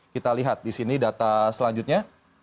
kita lihat di sini data selanjutnya